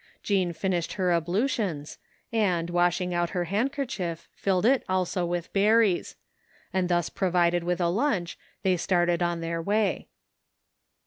Jean finished her ablutions, and, washing out her handkerchief, filled it also with berries ; and thus pro vided with a lunch, they started on their way.